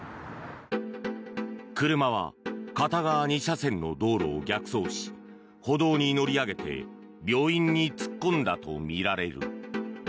車は片側２車線の道路を逆走し歩道に乗り上げて病院に突っ込んだとみられる。